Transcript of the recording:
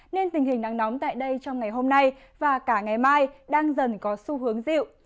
nên tình hình nắng nóng tại đây trong ngày hôm nay và cả ngày mai đang dần có xu hướng dịu